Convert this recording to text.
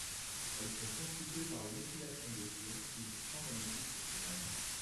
Elles sont constituées par une oscillation des ions et du champ magnétique se propageant.